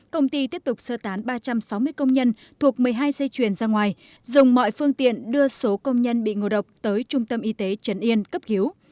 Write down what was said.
công ty tiếp tục sơ tán ba trăm sáu mươi công nhân thuộc một mươi hai dây chuyền ra ngoài dùng mọi phương tiện đưa số công nhân bị ngộ độc tới trung tâm y tế trần yên cấp cứu